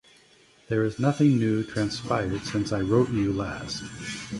There is nothing new transpired since I wrote you last.